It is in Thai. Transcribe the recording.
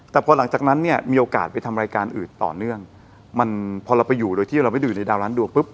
แต่พอหลังจากนั้นเนี่ยมีโอกาสไปทำรายการอื่นต่อเนื่องมันพอเราไปอยู่โดยที่เราไม่ได้อยู่ในดาวล้านดวงปุ๊บ